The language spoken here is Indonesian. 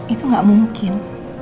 itu gak mungkin